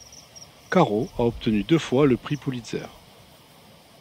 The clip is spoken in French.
Caro a obtenu deux fois le Prix Pulitzer.